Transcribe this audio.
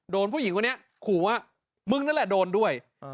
ผู้หญิงคนนี้ขู่ว่ามึงนั่นแหละโดนด้วย